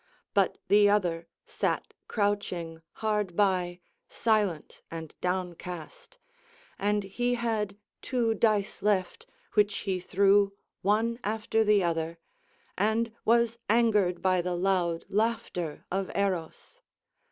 But the other sat crouching hard by, silent and downcast, and he had two dice left which he threw one after the other, and was angered by the loud laughter of Eros.